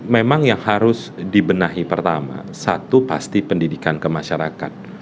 memang yang harus dibenahi pertama satu pasti pendidikan kemasyarakat